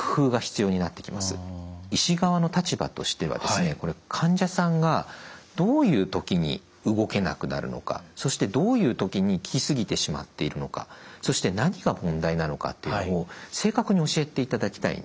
医師側の立場としては患者さんがどういう時に動けなくなるのかそしてどういう時に効きすぎてしまっているのかそして何が問題なのかっていうのを正確に教えていただきたい。